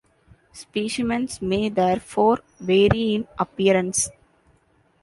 Specimens may therefore vary in appearance.